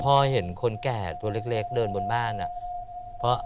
โปรดติดตามต่อไป